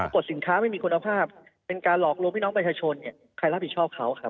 กดสินค้าไม่มีคุณภาพเป็นการหลอกลวงพี่น้องประชาชนเนี่ยใครรับผิดชอบเขาครับ